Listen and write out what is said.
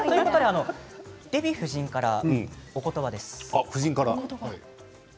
デヴィ夫人からお言葉です。